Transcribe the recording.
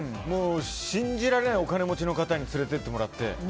信じられないお金持ちの方に連れていってもらって。